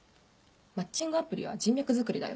マッチングアプリは人脈づくりだよ。